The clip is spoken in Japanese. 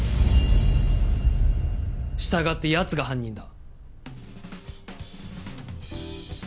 従って奴が犯人だ。